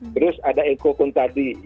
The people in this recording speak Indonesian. terus ada eko kuntadi